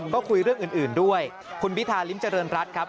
ก็คุยเรื่องอื่นด้วยคุณพิธาริมเจริญรัฐครับ